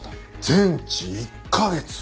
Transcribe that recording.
「全治１カ月」！